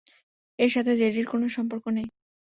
এর সাথে জেডির কোনো সম্পর্ক নেই?